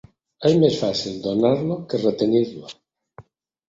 És més fàcil donar-lo que retenir-lo.